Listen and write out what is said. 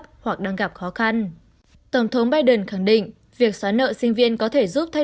hoặc đang gặp khó khăn tổng thống biden khẳng định việc xóa nợ sinh viên có thể giúp thay